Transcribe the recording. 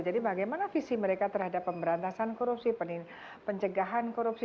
jadi bagaimana visi mereka terhadap pemberantasan korupsi pencegahan korupsi